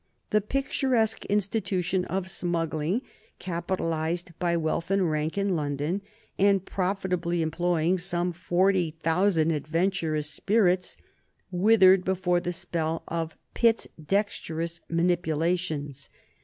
The picturesque institution of smuggling, capitalized by wealth and rank in London, and profitably employing some forty thousand adventurous spirits, withered before the spell of Pitt's dexterous manipulations.